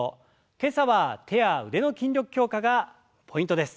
今朝は手や腕の筋力強化がポイントです。